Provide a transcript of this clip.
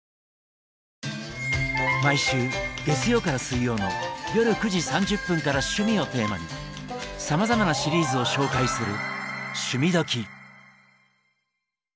毎週月曜から水曜の夜９時３０分から趣味をテーマにさまざまなシリーズを紹介する「趣味どきっ！」。